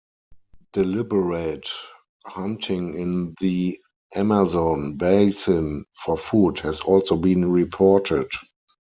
Deliberate hunting in the Amazon Basin for food has also been reported.